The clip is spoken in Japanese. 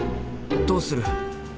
どうする？